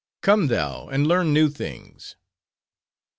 Come thou and learn new things.